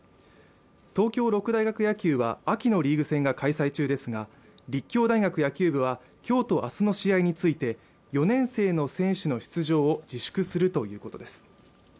東京六大学野球は秋のリーグ戦が開催中ですが立教大学野球部は今日と明日の試合について４年生の選手の出場を自粛するということです